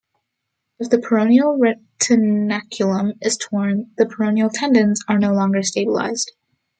If the peroneal retinaculum is torn, the peroneal tendons are no longer stabilized.